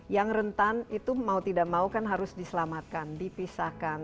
yang rentan itu mau tidak mau kan harus diselamatkan dipisahkan